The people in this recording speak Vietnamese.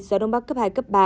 gió đông bắc cấp hai cấp ba